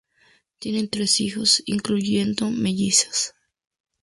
Tienen tres hijos, incluyendo mellizos.